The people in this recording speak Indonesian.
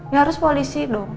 ya harus polisi dong